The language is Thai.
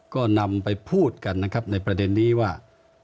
ก็นำไปพูดกันนะครับในประเด็นนี้ว่า